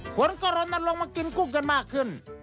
คนก็ลนลงมากินกุ้งกันมากขึ้น